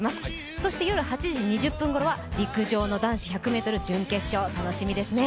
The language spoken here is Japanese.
そして夜８時２０分頃は陸上の男子１００ｍ準決勝楽しみですね。